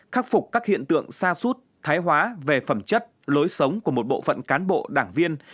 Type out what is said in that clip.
khắc phục các hiện tượng xa suốt thái hóa về phẩm chất lối sống của một bộ phận cán bộ đảng viên